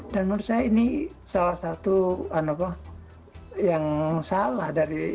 dan menurut saya ini salah satu yang salah dari